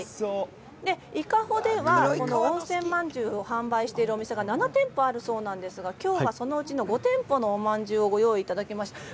伊香保では温泉まんじゅうを販売してる店が７店舗あるそうなんですがそのうちの５店舗のおまんじゅうをご用意いただきました。